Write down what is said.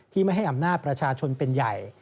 ไม่ให้อำนาจประชาชนเป็นใหญ่